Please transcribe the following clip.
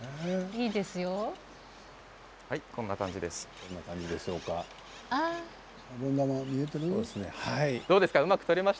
こんな感じです。